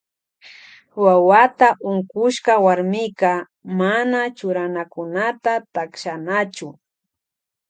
Wawata unkushka warmika mana churanakunata takshanachu.